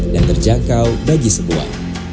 dan terjangkau bagi semua